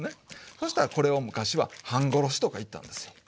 そしたらこれを昔は「半殺し」とか言ったんですよ。